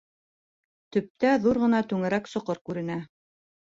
Төптә ҙур ғына түңәрәк соҡор күренә.